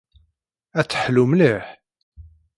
Ad teḥlu mliḥ?